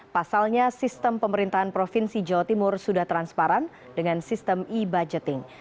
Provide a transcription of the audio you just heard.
pasalnya sistem pemerintahan provinsi jawa timur sudah transparan dengan sistem e budgeting